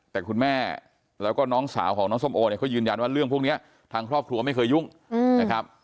แต่คุณแม่แล้วก็น้องสาวของน้องส้มโอเนี่ยเขายืนยันว่าเรื่องพวกนี้ทางครอบครัวไม่เคยยุ่งนะครับ